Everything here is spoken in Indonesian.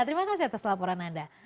terima kasih atas laporan anda